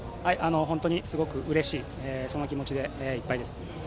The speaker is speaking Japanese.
本当にすごくうれしいその気持ちでいっぱいです。